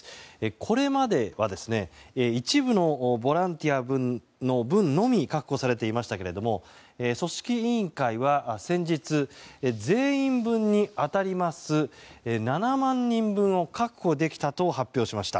これまでは一部のボランティアの分のみ確保されていましたが組織委員会は先日、全員分に当たる７万人分を確保できたと発表しました。